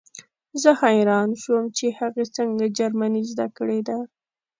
زه حیران شوم چې هغې څنګه جرمني زده کړې ده